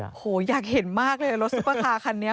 โอ้โหอยากเห็นมากเลยรถซุปเปอร์คาร์คันนี้